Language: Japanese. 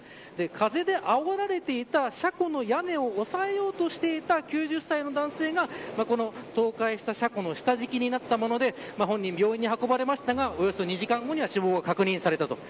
風であおられていた車庫の屋根を押さえようとしていた９０歳の男性が倒壊した車庫の下敷きになったということで病院に運ばれましたがおよそ２時間後には死亡が確認されました。